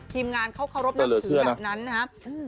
ทีมงานเขาเคารพนับถือแบบนั้นนะครับ